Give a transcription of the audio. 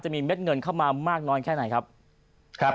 มีเม็ดเงินเข้ามามากน้อยแค่ไหนครับ